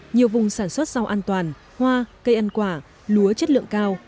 nhiều vùng sản xuất rau an toàn hoa cây ăn quả lúa chất lượng cao